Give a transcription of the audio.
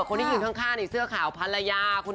คนที่อยู่ข้างนี่เสื้อข่าวภาลายาคุณอุ๊